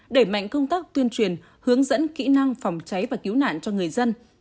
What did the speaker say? đẩy mạnh công tác tuyên truyền hướng dẫn kỹ năng phòng cháy và cứu nạn cho người dân